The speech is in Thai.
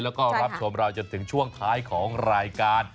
แล้วก็รับชมเราจนถึงช่วงท้ายของรายการ